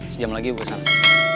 sejam lagi gue kesana